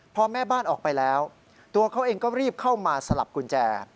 พอแม่บ้านออกไปแล้วตัวเขาเองก็รีบเข้ามาสลับกุญแจ